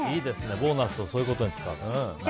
ボーナスをそういうことに使う。